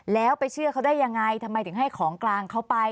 แล้วไปเชื่อเขาได้ยังไงทำไมถึงให้ของกลางเขาไป